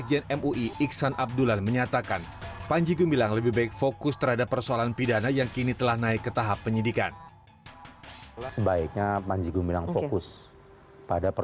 menurut kuasa hukum panji gumbilang selain gugatan perdata pihaknya juga tengah menyiapkan gugatan pidana